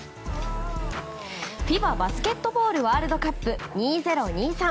ＦＩＢＡバスケットボールワールドカップ２０２３。